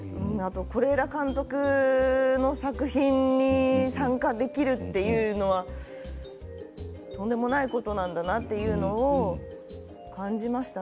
是枝監督の作品に参加できるっていうのはとんでもないことなんだなというのを感じました。